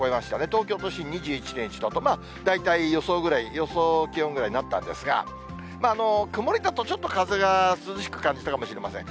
東京都心２１．１度と、大体予想ぐらい、予想気温ぐらいになったんですが、曇りだと、ちょっと風が涼しく感じたかもしれません。